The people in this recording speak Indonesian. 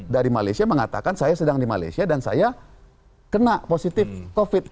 dari malaysia mengatakan saya sedang di malaysia dan saya kena positif covid